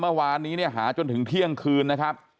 เมื่อวานนี้เนี่ยหาจนถึงเที่ยงคืนนะครับ